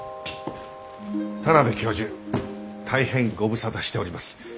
田邊教授大変ご無沙汰しております。